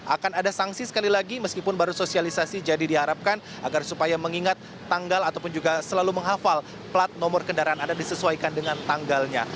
akan ada sanksi sekali lagi meskipun baru sosialisasi jadi diharapkan agar supaya mengingat tanggal ataupun juga selalu menghafal plat nomor kendaraan anda disesuaikan dengan tanggalnya